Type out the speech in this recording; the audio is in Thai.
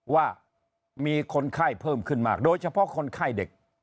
ว่ามีคนไข้เพิ่มขึ้นมากโดยเฉพาะคนไข้เด็ก